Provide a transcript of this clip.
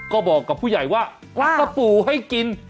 ก็บอกกับผู้ใหญ่ว่าอ่ะต้องปูให้กิน